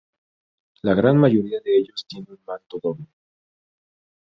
La gran mayoría de ellos tiene un manto doble.